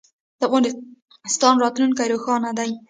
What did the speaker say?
د افغانستان راتلونکی روښانه دی.